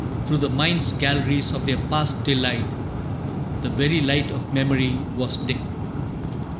Through the mind's galleries of their past delight The very light of memory was dim.